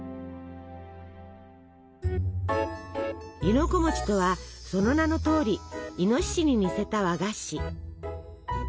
「亥の子」とはその名のとおりイノシシに似せた和菓子。